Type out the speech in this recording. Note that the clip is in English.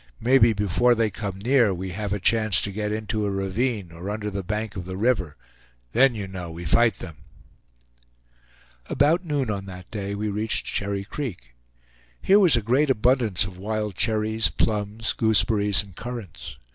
Maybe before they come near, we have a chance to get into a ravine, or under the bank of the river; then, you know, we fight them." About noon on that day we reached Cherry Creek. Here was a great abundance of wild cherries, plums, gooseberries, and currants.